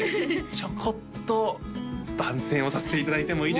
ちょこっと番宣をさせていただいてもいいですか？